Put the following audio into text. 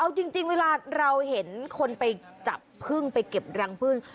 เอาจริงเวลาเราเห็นคนไปจับพึ่งไปเก็บรังพึ่ง